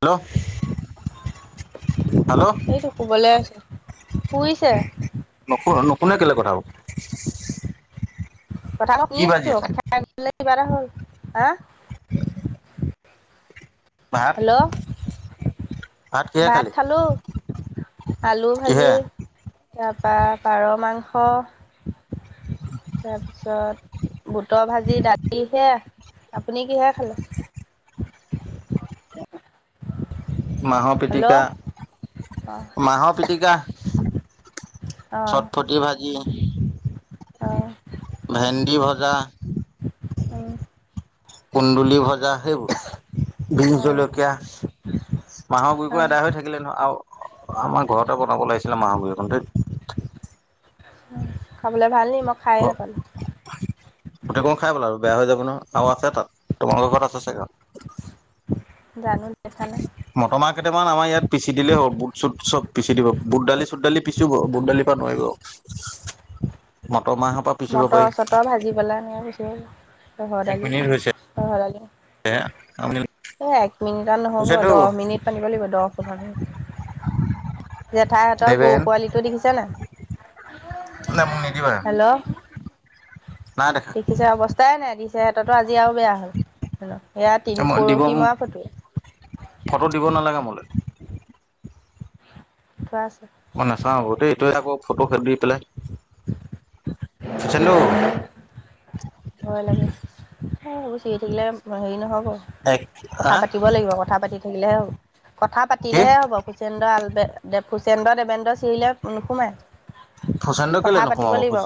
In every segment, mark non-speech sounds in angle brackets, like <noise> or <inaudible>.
Hello, hello সেইটো শুবলৈ আছে শুইছে কোনে কেলৈ কথা হও কথা অলপ শুনিছো <unintelligible> <unintelligible> <inaudible> <inaudible> ভাত হেল্ল', কিহে ভাত খালি খালো, আলু ভাজি, কিহে তাপা পাৰ মাংস। অঁ বুটৰ ভাজি দালিহে, আপুনি কিহে খালে? মাহৰ হেল্ল' অ পিটকা, অ মাহৰ পিটিকা, চটফটি ভাজি <inaudible> অ ভেন্দি ভজা অহ কুন্দুলি ভজা সেইবোৰ বি অ জলকীয়া মাহৰ অ গুৰিকো এদায় হৈ থাকিলে নহয় আও আমাৰ ঘৰতে বনাব লাগিছ চিল মাহৰ গুৰি অকন ঠেইত হয় খাবলে ভাল নি মই খায়েই নাপালোঁ গোটেই খাই পেলালোঁ বেয়া হৈ যাব ন আও আছে তাত তোমালোকৰ ঘৰত আছে চাগা জানো দেখা নাই মটৰমাহ কেইটামান আমাৰ ইয়াত পিচি দিলেই হ'ব বুট চুট চব পিচি দিব বুট দালি চুট দালি পিছো ব বুট দালিৰ পা নোৱাৰিব <unintelligible> পৰা পিচিব মটৰ পাৰি চটৰ ভাজি পেলাই এনেকছি ৰহৰ দালি ৰহৰ দালি। এ আমনি মিনিটান নহ'ব দহ মিনিট পাতিব লাগিব দহ মিনিট। জেঠাই হঁতৰ গৰু দেবেন পোৱালিটো দেখিছে নে নাই? নে মোক নিদিবা হেল্ল'। নাই দেখা দেখিছে অৱস্থাই নাই দিছে। <unintelligible> ও বেয়া হল ন এয়া তিন মই দিব পৰহি মৰা ফটো ফটো দিব নালাগে মোলৈ <unintelligible> পচ <unintelligible> মই নাচাও আকৌ দেই তই থাকো তে আকৌ ফটো খন দি পেলাই প্ৰচলু ভয় লাগে। <unintelligible> অুছিিকি থাকিলে হেৰি নহওক এক <unintelligible> কথা আহ পাতিব লাগিব কথা পাতি থাকিলেহে হব। কথা কি পাতিলেহে হ'ব হুচন্দ্ৰ আলবেদ দেৱ হুচেন্দ্ৰ দেবেন্দ্ৰ চিৰিলেয়ে নোসোমায় ফুচেড কেলে নোসোমাব ফুচ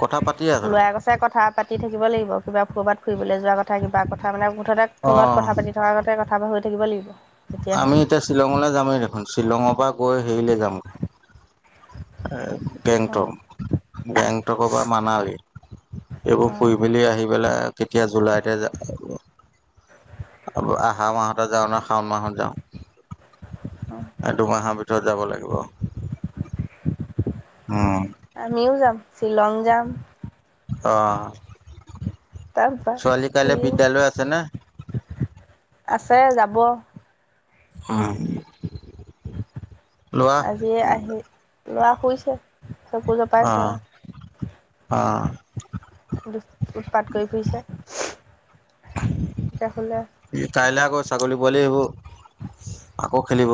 কথা পাতিয়ে আছ <unintelligible> ল'ৰাই কৈছে কথা থাকিব লাগিব কিবা কৰবাত ফুৰিবলৈ যোৱা কথা কিবা কথা মানে, মুঠতে অ ফোনত কথা পাতি থকাৰ আগতে কথা <unintelligible> থাকিব লাগিব তেতিয়াহে। আমি এতিয়া শ্বিলঙলৈ যামেই দেখোন। শ্বিলঙৰ পৰা গৈ হেৰিলে যাম গেংটক, অ', গেংটকৰ পৰা মানালী এইবোৰ অ', ফুৰি মেলি আহি পেলাই‌ কেতি জুলাইতে য <unintelligible> <unintelligible> আহা মাহতে যাওঁ নে শাওণ মাহত যাওঁ, অ'। এই দুমাহৰ ভিত <unintelligible> যাব লাগিব। উম <inaudible> আমিও যাম। শ্বিলং যাম অ'। তাৰপৰা ছোৱালীৰ কাইলৈ ফুৰিম বিদ্যালয় আছে নে? আছে। যাব। উম। আজি আহি। ল'ৰা শুইছে, চকু জপাইছে অ', অ', আৰু। উৎপাত কৰি ফুৰিছে। এতিয়া শুলে। কাইল আকৌ ছাগলী পোৱালি আহিব। আকৌ খেলিব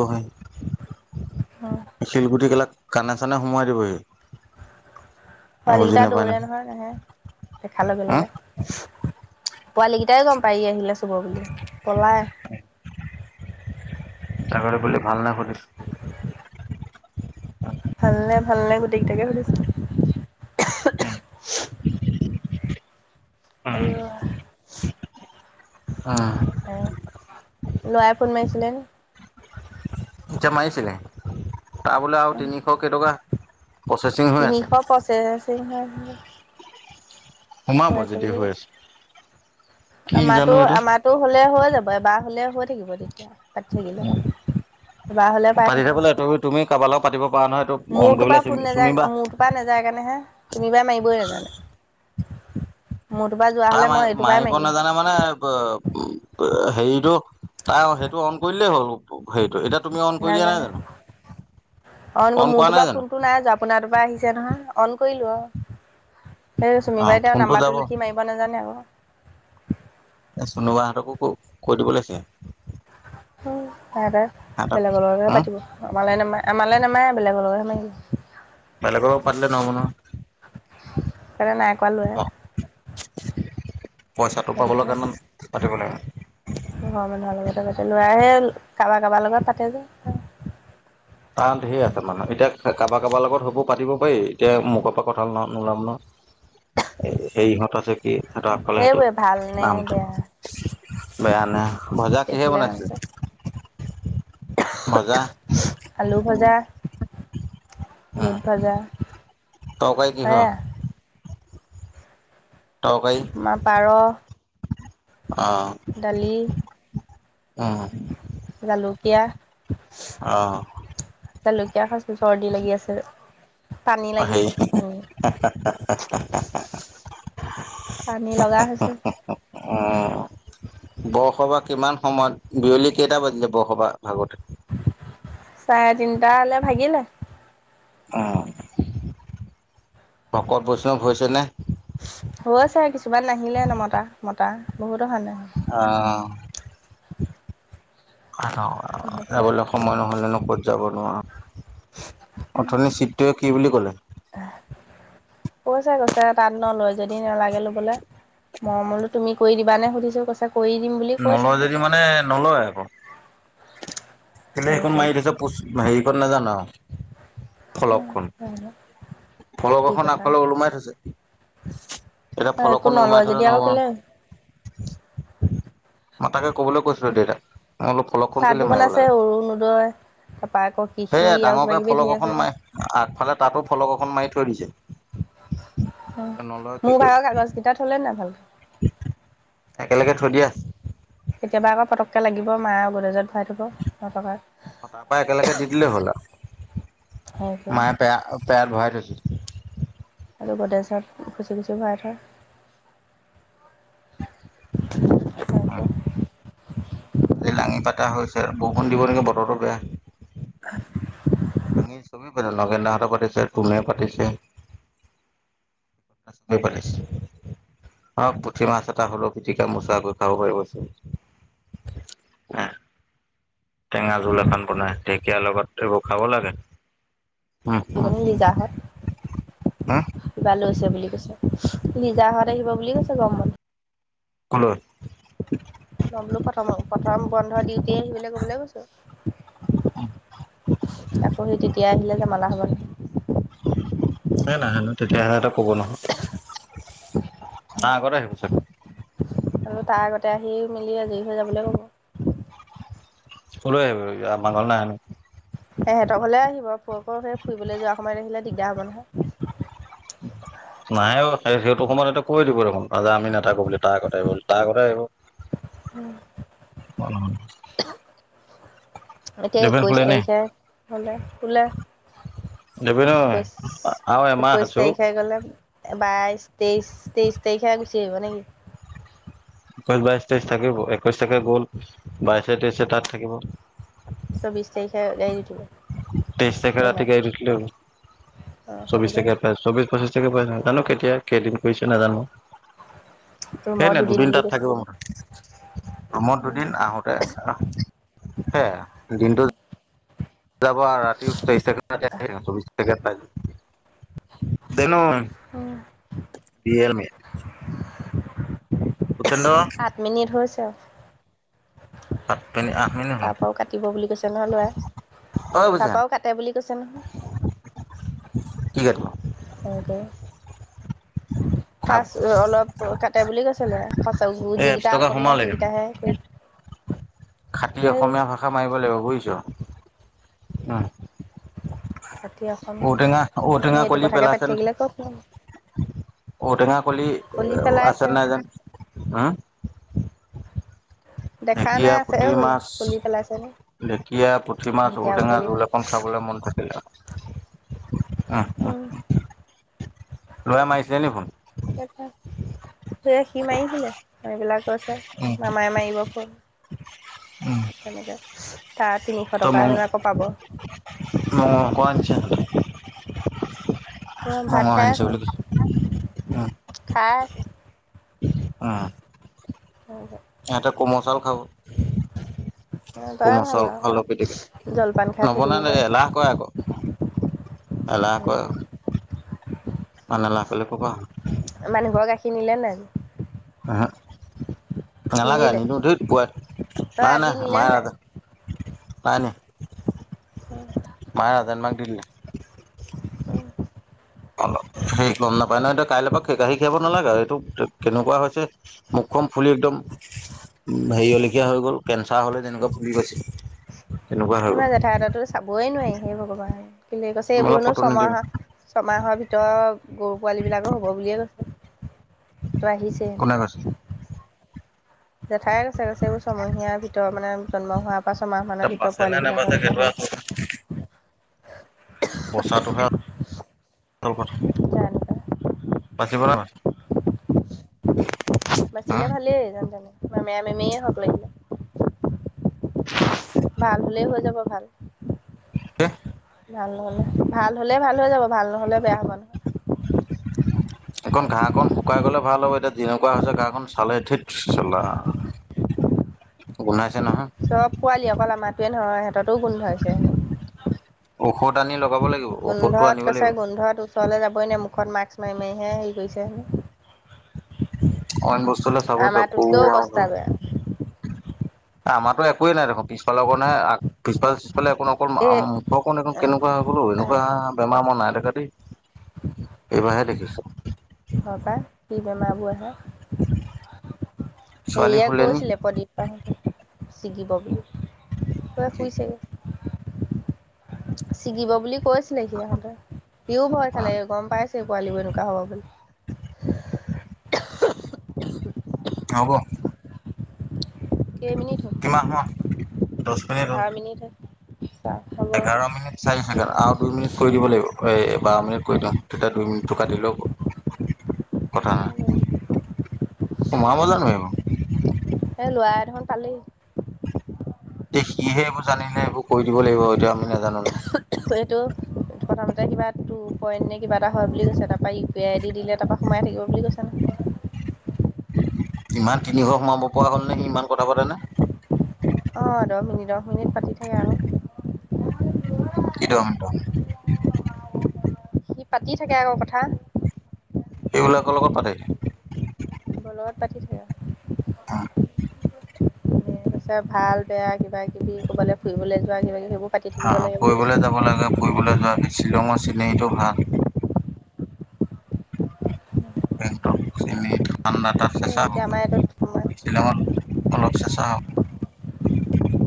উম। শিলগুটি বিলাক কানে চানে সোমোৱাই দিব সি। পোৱালী কেইটা দৌৰে নহয়, নাহে। দেখা লগে হম লগে। পোৱালী কেইটাইও গম পায়। ই আহিলে বুলি। পলায়। ছাগলী পোৱালি ভাল নে সুধিছো? ভালনে? ভালনে? গোটেইকেইটাকে সুধিছে। উম। উম, আইঅ'। আহ। ল'ৰাই ফোন মাৰিছিলে। জামাইজিলে তাৰ বোলে আৰু তিনিশ কেইটকা প্ৰচেচিং হৈ তিনিশ আছে। প্ৰচেচিং সোমাব হৈয় আছে যদি বুলি হৈ কৈছে, কি জানো আমাৰটো এইটো আমাৰটো হ'লে হ'ল। যাবা বা হ'লে হৈ থাকিব তেতিয়া। পাতি থাকিলে এবাৰ হ'লে উ পাই পাতিলে থাকে বোলে এইটো তুমি কাৰোবালৈও পাতিব পৰা নহয় এইটো অন কৰি মোৰটোৰ পৰা পেলাই ফোন নেযায় চুমিবা মোৰটোৰ পৰা নেযায় কাৰণে হে তুমি বাই মাৰিবই নেজানে। তাৰ মা মই এইটোৰ পৰাই মাৰিব মাৰিলোহেঁতেন নাজানে মানে উম ', হেৰিতটো তাৰ সেইটো অন কৰিলেই হ'ল হেৰিতটো এতিয়া। তুমি অন কৰি দিয়া নাই নাজানো জানো অন কৰা মোৰটো নাই পৰা জানো ফোনটো নাই আপোনাৰ তৰ পৰা আহিছে নহয় অন কৰিলো অহ ', <inaudible> সেই অ চুমি বাইদেউ ফোনটো যাব নাম্বাৰটো লিখি মাৰিব নোজানে আকৌ। <inaudible> চোনু বাহঁতকো ক কৈ দিব লাগিছিল। হয়। হয় বাৰু বেলেগৰ লগতে হম পাতিব। আমালে নামাৰে- আমালে নামাৰে বেলেগৰ লগে মাৰিম। বেলেগৰ পাতিলে নহবো ন। সেটো নাই কৰা লোৱে। পইচাটো পাবলৈ সেটোয়ে কাৰণে পাতিব লাগে ঘৰৰ মানহৰ লগত লৈ আহে। কাৰোবাৰ কাৰোবাৰ লগত পাতে যে। তাহ ঢেৰ আছে মানুহ এতিয়া কাৰোবাৰ - কাৰোবাৰ লগত হব পাতিব পাৰি এতিয়া মোকৰ পৰা কথা নোলাম ন সেৰিহঁত আছে। কি সিহঁত আকলে সেইটো সেইবোৰে ভাল নে নাম বেয়া বেয়া নে ভজা কিহে বেছিলে বনাইছে। নামটো আলু ভজা। বুট ভাজা। তৰকাৰি কিহৰ? সেয়া তৰকাৰী আমাৰ পাৰ। অ' ডালি উম ', জালুকীয়া- অ' জালুকীয়া সছ লাগি আছে। পানী হেৰি লাগিছে পানী -পানী লগা হৈছে। অহ ', বৰসবাহ কিমান সময়ত বিয়লি কেইটা বাজিলে বৰসবাহ ভাগতে। চাৰে তিনিটা হালে ভাগিলে। উম ', ভকত বৈষ্ণৱ হৈছেনে। হৈ আছে কিছুমান নাহিলে নমতা মতা বহুত অহা নাই অহ ', <inaudible> <unintelligible> ভকত যাবলৈ সময় নহ'লেনো ক'ত যাব নোৱাৰো অথনি চিতটে কি বুলি ক'লে। কৈছে কৈছে তাত নলয় যদি নেলাগে লবলে, মৰমলো তুমি কৰি দিব নে সুধিছো কৈছে কৰি দিম বুলি কৈছে নলয় যদি মানে নলয় আকৌ তে হেৰি সেইখন মাৰি থৈছ পচ হেৰি উপ নাজান ফলকখন, কৰি ফলক কি এখন কথা আফালে ওলোমাই থৈছে <inaudible> এতিয়া একো ফলকখন নলয় ওলমাই যদি থলে আৰু কেলে নহব মই তাকে কবলৈ কৈছিলো দেতাক, মই বোলো ফলকখন চাহ কেলে দোকান মাৰিব আছে লাগে অৰুণোদয় তাৰপা আকৌ কৃষি সেয়াই আৰু কিবা ডাঙৰকে কিবি ধেৰ ফলক আছে এখন মাৰি আগফালে তাতো ফলক এখন মাৰি থ দিছে কিন্তু নলয় কি মোৰ কৰিব বাৰৰ কাগজ কেইটা থলে না ভালকে থই দিয়া আছে কেতিয়াবা আকৌ পতককে লাগিব মায় আও গদেজত ভৰাই থব নথকা তাৰ পৰা একেলগে দি দিলেই হ'ল আও হেৰি <inaudible> কৰি মায়ে পেয়া অ পেয়াত ভৰাই থৈছে আৰু গদ্ৰেছত খুচি খুচি ভৰাই থয় অম আজি লাঙি পাতা হৈছে আৰু বৰষুণ দিব নেকি বতৰটো বেয়া লাঙি চবে পাতিছে, নগেন দাহঁতে পাতিছে, তুমে পাতিছে। পাতক পুঠি মাছ এটা হলেও পিটিকা মোচাকৈ খাব পাৰিব যেহ টেঙা জোল এখন বনাই ঢেকীয়াৰ লগত এইবোৰ খাব লাগে। উম উম আহিবনি লিজাহঁত, উম কিবা লৈছে বুলি কৈছে। লিজাহঁত আহিব বুলি কৈছে গম বন্ধত কলৈ? ন বলো প্ৰথম প্ৰথম বন্ধ দিউতে আহিব কবলৈ কৈছো আকৌ সি তেতিয়া আহিলে মাল হব এ নাহে নহ কেতিয়া আহে কব নহয় তাৰ আগত আহিব চাগে উ আৰু তাৰ আগতে আহি মিলি আজৰি হৈ যাবলৈ ক'ব কলৈ আহিব ই, আমাৰ ঘৰলে নাহে নহয়। এহেঁতৰ ঘৰলে আহিব ফ ফ ফুৰিবলৈ যোৱা সময়ত আহিলে দিগদাৰ হব নহয়। নাহে ঔ সেইটো সময়ত কৈ দিব দেখোন আজ যে আমি নেতাকো বুলি তাৰ <unintelligible> <inaudible> অওম এতিয়া একৈশ তাৰিখে হলে, বোলে দেবেন ঐ একৈশ, আৰু এমাহ একৈশ আছো তাৰিখে গ'লে বাইশ তেইশ তেইশ তাৰিখে গুচি দিব নেকি? একৈশ বাইশ তেইশ থাকিব একৈশ তাকে গ'ল, বাইশে তেইশে তাত থাকিব। চৌবিশ তাৰিখে গাড়ী দি থব তেইশ তাৰিখে ট্ৰেইনত ৰাতিকে দি দিলে হৈ অ গল চৌবিশ সেইটোকে তাৰিখে চৌবিশ পঁচিছ <unintelligible> জানো কেতিয়া কেইদিন কৰিছে নাজানো সে ৰুমৰ নাই দুদিন বুলি তাত কৈছে থাকিম ম ৰুমত দুদিন আহোতে অহ হে, দিনটো যাব ৰাতি <unintelligible> <unintelligible> ৰিয়েলমি ভূপেন্দ্ৰ সাত মিনিট হৈছে আউ। সাত মিনিট আঠ মিনিট হ'ল তাৰ পৰাও কাটিব বুলি কৈছে নহয় ল'ৰাই, অ ভূপেন তাৰপৰাও কাটে বুলি কৈছে নহয়। কি কাটিব সেনেকৈ। খাব পাচ অলপ কাটে বুলি কৈছে ল'ৰাই <unintelligible> এই একশ যিকেইটা টকা অসমীয়া সোমালে। সেইকেইটাহে খাটি সেই অ', খাটি অসমীয়া, আমি ঔটেঙা এইটো কলি কথাকে পাতি থাকিলে ক'ত নো ঔটেঙাৰ কলি, আছে পেলাইছে নাই যেন। হুম? দেখা ঢেকীয়া নাই আছে পুঠি বোলে মাছ, খুলি পেলাইছে নে ঢেকীয়া পুঠি মাছ ঢেকীয়া ঔটেঙা বুটলি জোল থকা একণ খাবলৈ মন গৈছিলে আউ। উম, উম, লৰাই মাৰিছিলে নি ফোন সে সি মাৰিছিলে মাৰি পেলাই কৈছে মামাই মাৰিব ফোন উম সেনেকা তাৰ তিনিশ তই টকা মঙহ হেনো আকৌ পাব চা হলে মঙহ ভাত খাই আনিছ আছে বুলি কৈছে উম উহ অ হয় হয় সিহঁতে কোমল চাউল খাব তই কোমল ভাল চাউল আৰু আলু পাটিকা জলপান খাই থৈ দিব নবনালে পাৰে এলাহ কয়ে আকৌ এলাহ কয়ে ইমান এলাহ কৰিলে কপা হব মানুহঘৰে গাখীৰ নিলে নাই আজি উহু নালাগা নিনিলে নিনো ধেত প তই নাই আজি -নাই নিলে মায়ে নাই হয়াই ন মায়ে ৰাজেন মামাক <inaudible> অ' অ 'সেই লম নাপায় নহয় এতিয়া কাইলৈৰ পৰা কাঢ়ী খীাব নালাগে আৰু এইটো কেনেকুৱা হৈছে। মুখখম ফুলি একদম। হেৰিয়লেখীয়া হৈ গ'ল কেঞ্চাৰ হ'লে তেনেকুৱা ভুগি গৈছে। তেনেকুৱা হৈ গ'ল আমাৰ জেঠা হঁতৰ টো চাবই নোৱাৰি সেই ভগৱান কি কৈছে এইবোৰ মোলে হেনো ফটো নিদিবি ছমাহ ছমাহৰ ভিতৰত গৰু পোৱালী বিিলাকো হব বুলিয়ে কৈছে। ফটো আহিছে কোনে কৈছে জেঠাই কৈছেকৈছে এইবোৰ ছয়মহীয়াাৰ ভিতৰত মানে জন্ম হোৱাৰ পৰা ছমাহ এতিয়া মানৰ ভিতৰত বাচে নে পোৱালী নেবাচে সেইটো আচল বিিলাকৰোপ়ো বচাটোহে কথা তাৰ এনেকুৱা বাচিব ন। হুম বাচিলে ভালেই জান তোন। মেমেৰা মেমেৰী হওঁক লাগিলে ভাল হ'লেই হৈ যাব ভাল। হ, ভাল নহ'লে ভাল হ'লেই ভাল হৈ যাব ভাল নহ'লে বেয়া হ'ব নহয়। এখন ঘাঁহখনন শুকাই গলে ভাল হ'ব এতিয়া যেনেকুৱা হৈছে ঘাঁহখনন চালে উঠিত চলা গুনাই চব পোৱালি অকল আমাৰোৱে নহয়। সিহঁততো গোন্ধ হৈছে হেন ঔষধ আনি লগাব লাগিব ঔষধটো গোন্ধত আনিব লাগিব কৈছে গোন্ধত ওচৰলে যাবই নে মুখত মাস্স মাৰি মাৰিহে হেৰি কৰিছে হেনো। অইন বস্তু ওচৰলে চাবই আমাৰটোতকৈও অৱস্থা বেয়া পাৰি আমাৰতো একোৱেই নাই দেখোন। পিছফালৰ কণ হে পিছফালৰ কণ অ এই 'মুখ অকণ কেকুৱ হয় বোল এনেকুৱা বেমাৰ মাৰ নাই <unintelligible> এইবাৰাহে লিখিছো। বেমাৰাবোৰ আহে। উ। সেয়াই কৈছিলে প্ৰদীপ পেহা ছিকিব বুলি ক কি শুইছোগে ছিগিব বুলি। কৈছিলে সি সহঁতে সিও ভয় খালে গম পাইছে। পোৱালিব এনেকুৱা হ'ব বুলি। হব। কেইমিনিট হ'ল কিমান হ- দচ মিনিট হল। উ এঘাৰ মিনিট চাৰিছেকেণ্ড আৰু দুই মিনিট কৰি দিব লাগিব, এ বাৰ মিনিট কৰি ল তেতিয়া দুই মিনিটটো কাটি লৈ হ'ব। কথা <unintelligible> পালি। এয়া সিহে এইবোৰ জানিলে এইবোৰ কৰি দিব লাগিব, এইটো আমি নাজানো নহয়। প্ৰথমতে কিবা টু পইণ্ট নে কিবা এটা হয় বুলি কৈছে। তাৰপা ইউ পি আই ডি দিলে তাৰাপা সোমাই থাকিব বুলি কৈছে। ইমান তিনিশ সোমাব পৰা হ'ল ন সি ইমান কথা পাতেনে। অ', ৰমিনী ৰ। মিনিট পাতি থাকে আৰু। কি দহ মিনিট সি পাতি থাকে আৰু কথা। সিবিলাকৰ লগত পাতে। মোৰ লগত পাতি থাকে। আহ। এটা ভাল বেয়া কিবা কিবি ক'বালৈ ফুৰিবলৈ যোৱা কিবা কিবি সেইবোৰ পাতি থাকিব অ', লাগে বুলি কৈছে ফুৰিবলৈ যাব লাগে। ফুৰিবলৈ যোৱাক শ্বিলঙৰ চিনেৰিটো ভাল। বেংটক চিম থান্ড <unintelligible> তাৰ চেঁচা এতিয়া আমাৰ এইটোত শ্বিলঙত অলপ চেঁচা হক।